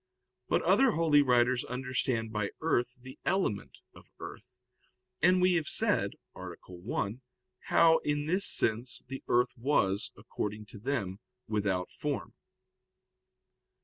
But other holy writers understand by earth the element of earth, and we have said (A. 1) how, in this sense, the earth was, according to them, without form.